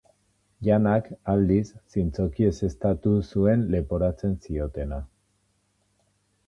Janak, aldiz, zintzoki ezeztatu zuen leporatzen ziotena.